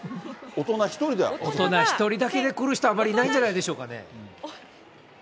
大人１人で来る人はあまりいないんじゃないでしょうかね。